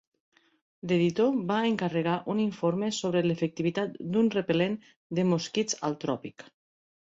L'editor va encarregar un informe sobre l'efectivitat d'un repel·lent de mosquits al tròpic.